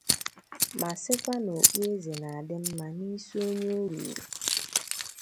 ma sịkwa na okpueze na-adị mma n'isi onye o ruru.